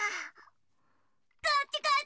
こっちこっち！